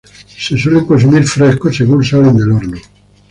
Se suelen consumir frescos, según salen del horno.